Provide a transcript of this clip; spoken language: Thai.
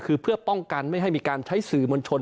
คือเพื่อป้องกันไม่ให้มีการใช้สื่อมวลชน